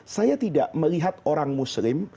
saya tidak melihat orang muslim